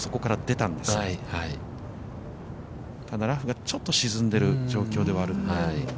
ただラフがちょっと沈んでる状況ではあるので。